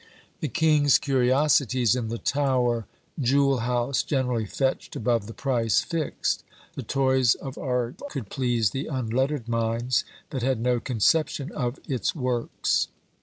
The king's curiosities in the Tower Jewel house generally fetched above the price fixed; the toys of art could please the unlettered minds that had no conception of its works.